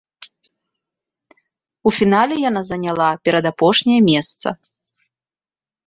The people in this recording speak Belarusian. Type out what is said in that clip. У фінале яна заняла перадапошняе месца.